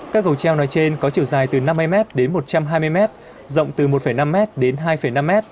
các cầu treo nói trên có chiều dài từ năm mươi m đến một trăm hai mươi m rộng từ một năm m đến hai năm m